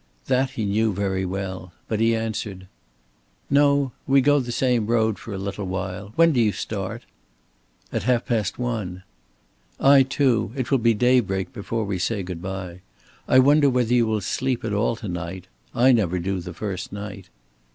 That he knew very well. But he answered: "No. We go the same road for a little while. When do you start?" "At half past one." "I too. It will be daybreak before we say good by. I wonder whether you will sleep at all to night. I never do the first night."